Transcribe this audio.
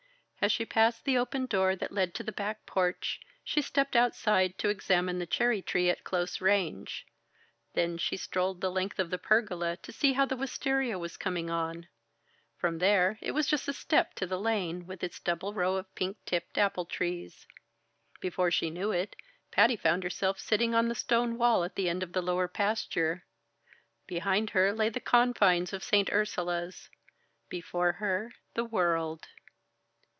As she passed the open door that led to the back porch, she stepped outside to examine the cherry tree at close range; then she strolled the length of the pergola to see how the wistaria was coming on; from there, it was just a step to the lane, with its double row of pink tipped apple trees. Before she knew it, Patty found herself sitting on the stone wall at the end of the lower pasture. Behind her lay the confines of St. Ursula's. Before her the World.